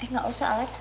eh gak usah alex